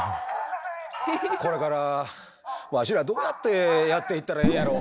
「これからわしらどうやってやっていったらええんやろ？」。